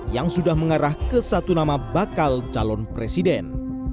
yang sudah mengarah ke satu nama bakal calon presiden